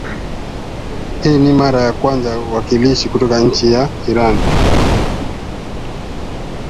hii ni mara ya kwanza waakilishi kutoka nchi ya iran